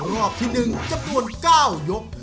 รอบที่๑จำนวน๙ยก